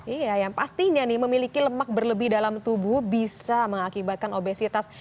iya yang pastinya nih memiliki lemak berlebih dalam tubuh bisa mengakibatkan obesitas